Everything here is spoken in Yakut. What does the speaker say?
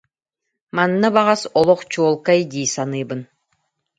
Манна баҕас олох чуолкай дии саныыбын